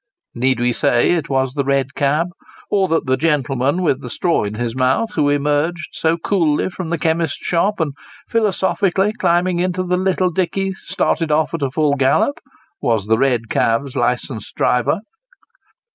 Need we say it was the red cab ; or that the gentleman with the straw in his mouth, who emerged so coolly from the chemist's shop and philosophically climbing into the little dickey, started off at full gallop, was the red cab's licensed driver